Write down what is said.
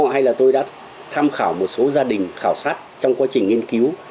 hay là tôi đã tham khảo một số gia đình khảo sát trong quá trình nghiên cứu